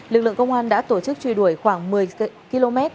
lực lượng công an đã tổ chức truy đuổi khoảng một mươi km